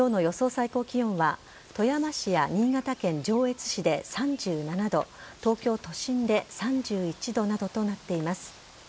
最高気温は富山市や新潟県上越市で３７度東京都心で３１度などとなっています。